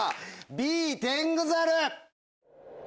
Ｂ「テングザル」。